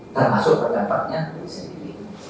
termasuk pendapatnya diri sendiri